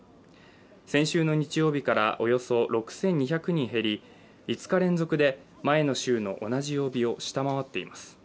先週の日曜日からおよそ６２００人減り５日連続で前の週の同じ曜日を下回っています。